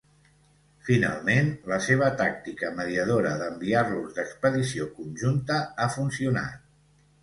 Finalment, la seva tàctica mediadora d'enviar-los d'expedició conjunta ha funcionat.